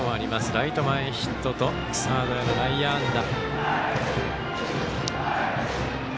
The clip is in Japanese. ライト前ヒットとサードへの内野安打。